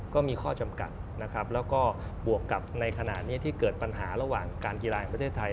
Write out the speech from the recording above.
ก็มีข้อจำกัดนะครับแล้วก็บวกกับในขณะนี้ที่เกิดปัญหาระหว่างการกีฬาแห่งประเทศไทย